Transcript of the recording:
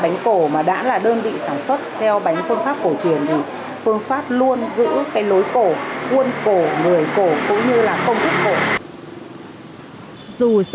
bánh cổ mà đã là đơn vị sản xuất theo bánh phương pháp cổ truyền thì phương xoát luôn giữ cái lối cổ khuôn cổ người cổ cũng như là không thích cổ